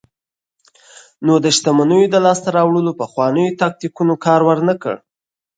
نو د شتمنیو د لاسته راوړلو پخوانیو تاکتیکونو کار ورنکړ.